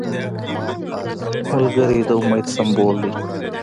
ملګری د امید سمبول دی